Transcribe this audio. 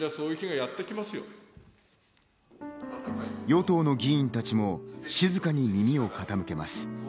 与党の議員たちも静かに耳を傾けます。